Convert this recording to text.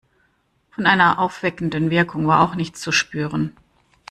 Von einer aufweckenden Wirkung war auch nichts zu spüren.